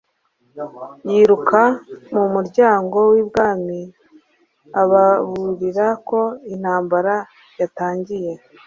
yiruka mumuryango wibwami ababurira ko intambara yatangiye